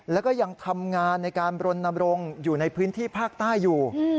แล้วก็ยังทำงานในการบรณรงค์อยู่ในพื้นที่ภาคใต้อยู่